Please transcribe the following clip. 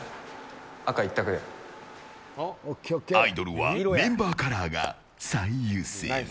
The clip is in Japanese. アイドルはメンバーカラーが最優先。